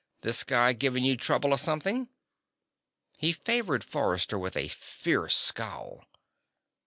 "This guy giving you trouble or something?" He favored Forrester with a fierce scowl.